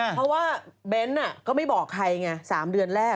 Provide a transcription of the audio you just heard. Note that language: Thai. เพราะว่าเบ้นก็ไม่บอกใครไง๓เดือนแรก